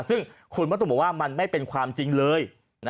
ซึ่งคุณมะตูมบอกว่ามันไม่เป็นความจริงเลย